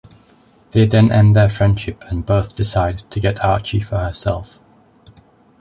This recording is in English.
They then end their friendship and both decide to get Archie for herself.